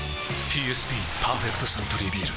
ＰＳＢ「パーフェクトサントリービール」